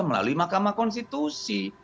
melalui mahkamah konstitusi